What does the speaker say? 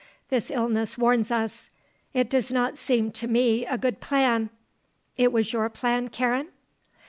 This illness warns us. It does not seem to me a good plan. It was your plan, Karen?"